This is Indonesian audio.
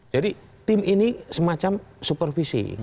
jadi tim ini semacam supervisi